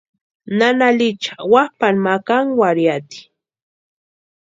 Nana Licha wapʼani ma kánkwarhiati.